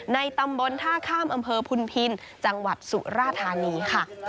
ตำบลท่าข้ามอำเภอพุนพินจังหวัดสุราธานีค่ะ